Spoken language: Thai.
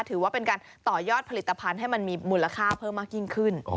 ถือว่าเป็นการต่อยอดผลิตภัณฑ์ให้มันมีมูลค่าเพิ่มมากยิ่งขึ้น